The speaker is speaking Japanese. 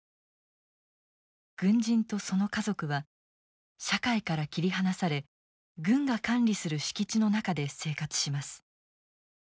軍人とその家族は社会から切り離され軍が管理する敷地の中で生活します。